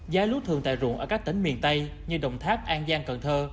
giá lúa thường tại ruộng ở các tỉnh miền tây như đồng tháp an giang cần thơ